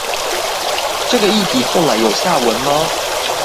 這個議題後來有下文嗎？